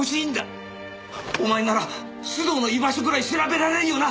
お前なら須藤の居場所ぐらい調べられるよな！？